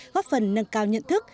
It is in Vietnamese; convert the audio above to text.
góp phần nâng cao nhận thức